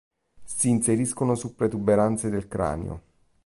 Si inseriscono su protuberanze del cranio.